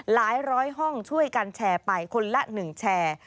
ร้อยห้องช่วยกันแชร์ไปคนละ๑แชร์